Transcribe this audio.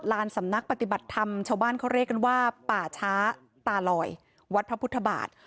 สำนักปฏิบัติธรรมชาวบ้านเขาเรียกกันว่าป่าช้าตาลอยวัดพระพุทธบาท